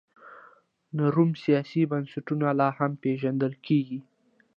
د روم سیاسي بنسټونه لا هم پېژندل کېږي.